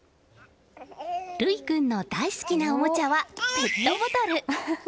琉生君の大好きなおもちゃはペットボトル。